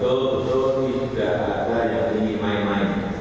betul betul tidak ada yang ingin main main